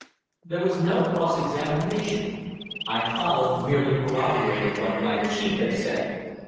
There was no cross examination. I followed, merely corroborating what my chief had said.